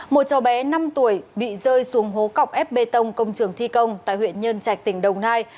một cháu bé năm tuổi bị rơi xuống hố cọc ép bê tông công trường thi công tại huyện nhân trạch tỉnh đồng nai